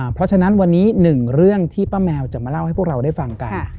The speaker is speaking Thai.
เพราะฉะนั้นวันนี้หนึ่งเรื่องที่ป้าแมวจะมาเล่าให้พวกเราได้ฟังกัน